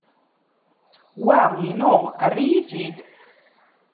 Wa inu. Err-iyi-t-id.